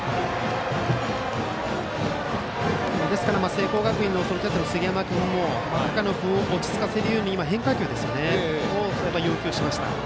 聖光学院のキャッチャーの杉山君も高野君を落ち着かせるように変化球を要求しました。